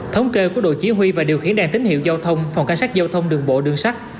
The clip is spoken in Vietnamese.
thống kê của đội chí huy và điều khiển đàn tín hiệu giao thông phòng cảnh sát giao thông đường bộ đường xác